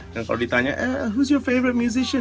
dan kalau ditanya who's your favorite musician